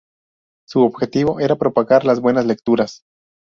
Su objetivo era propagar las buenas lecturas.